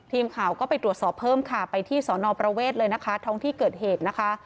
ทีมข่าวก็ไปตรวจสอบเพิ่มค่ะไปที่สอนอประเวทเลยนะคะท้องที่เกิดเหตุนะคะ